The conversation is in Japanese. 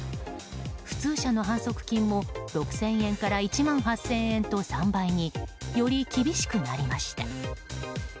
普通車の反則金も６０００円から１万８０００円と３倍により厳しくなりました。